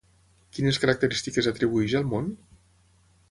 Quines característiques atribueix al món?